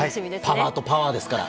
パワーとパワーですから。